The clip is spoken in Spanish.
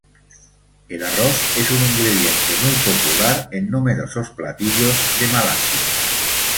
El arroz es un ingrediente muy popular en numerosos platillos de Malasia.